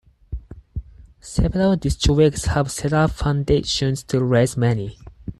Several districts have set up foundations to raise money.